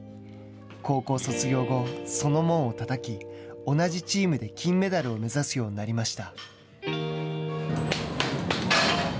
高校卒業後、その門をたたき同じチームで金メダルを目指すようになりました。